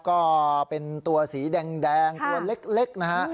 ก็เป็นตัวสีแดงตัวเล็กนะฮะ